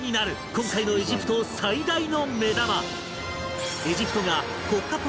今回のエジプト最大の目玉